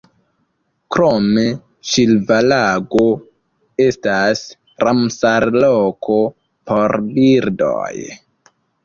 Krome Ĉilva-Lago estas Ramsar-loko por birdoj.